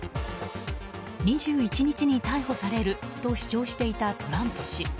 ２１日に逮捕されると主張していたトランプ氏。